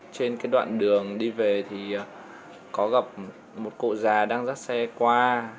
trên cái đoạn đường đi về thì có gặp một cụ già đang dắt xe qua